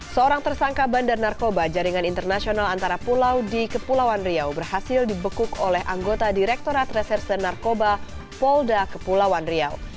seorang tersangka bandar narkoba jaringan internasional antara pulau di kepulauan riau berhasil dibekuk oleh anggota direktorat reserse narkoba polda kepulauan riau